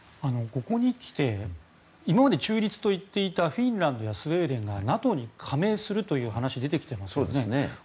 ここにきて今まで中立と言っていたフィンランドやスウェーデンがＮＡＴＯに加盟するという話が出てきていますよね。